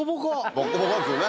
ボッコボコですよね。